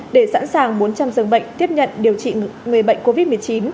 để sẵn sàng bốn trăm linh giường bệnh tiếp nhận điều trị người bệnh covid một mươi chín